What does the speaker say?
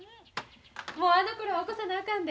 もうあの子ら起こさなあかんで。